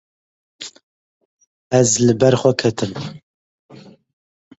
Ez li ber xwe ketim.